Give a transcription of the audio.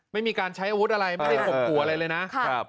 ไม่มีการใช้อาวุธอะไรไม่ได้ขบกัวเลยนะ